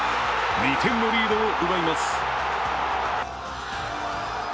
２点のリードを奪います。